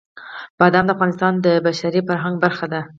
بادام د افغانستان د بشري فرهنګ برخه ده.